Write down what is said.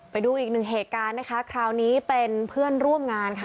ไปดูอีกหนึ่งเหตุการณ์นะคะคราวนี้เป็นเพื่อนร่วมงานค่ะ